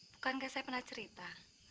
bukankah saya pernah cerita